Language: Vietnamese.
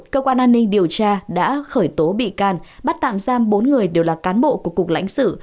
cơ quan an ninh điều tra đã khởi tố bị can bắt tạm giam bốn người đều là cán bộ của cục lãnh sự